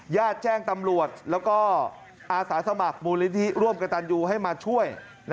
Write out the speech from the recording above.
ญาติแจ้งตำรวจแล้วก็อาสาสมัครมูลนิธิร่วมกับตันยูให้มาช่วย